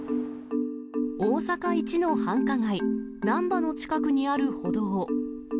大阪一の繁華街、難波の近くにある歩道。